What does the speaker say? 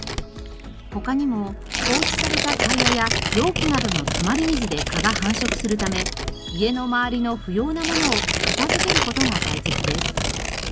他にも放置されたタイヤや容器などのたまり水で蚊が繁殖するため家の周りの不要な物を片付ける事が大切です。